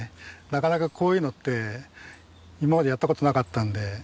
なかなかこういうのって今までやった事なかったんで。